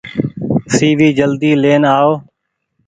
سي وي جلدي لين آئو۔